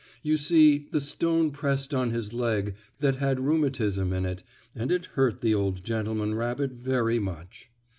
You see the stone pressed on his leg that had rheumatism in it, and it hurt the old gentleman rabbit very much.